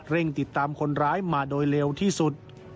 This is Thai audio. ติดตามคนร้ายมาโดยเร็วที่สุด